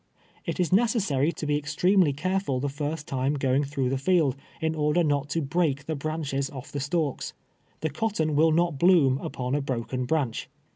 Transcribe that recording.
It is necessary to be extremely care ful the lirst time going through the field, in order not to break the branches off the stalks. The cotton will not bloom upon a broken branch.